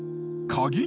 鍵？